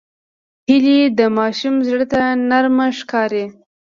هیلۍ د ماشوم زړه ته نرمه ښکاري